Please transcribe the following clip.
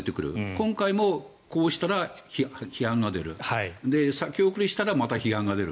今回も、こうしたら批判が出る先送りにしたらまた批判が出る。